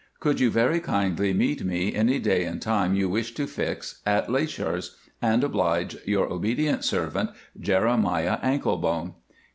Could you very kindly meet me any day and time you choose to fix at Leuchars? And oblige, Your obedient servant, JEREMIAH ANKLEBONE.